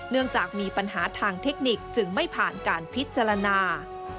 เนื่องจากมีปัญหาทางเทคนิคจึงไม่ผ่านการพิจารณา